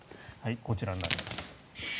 こちらになります。